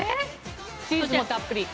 チーズもたっぷり。